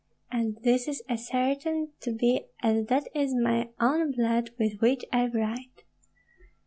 And this is as certain to be as that this is my own blood with which I write.